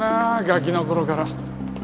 ガキの頃から。